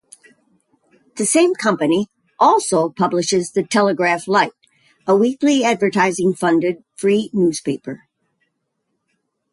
The same company also publishes the "Telegraph Lite" - a weekly advertising-funded free newspaper.